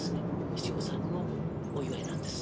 七五三のお祝いなんです。